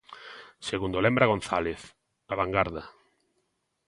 Segundo lembra González, a vangarda.